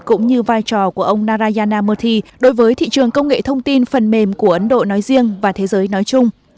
cũng như vai trò của ông narayana mothi đối với thị trường công nghệ thông tin phần mềm của ấn độ nói riêng và thế giới nói chung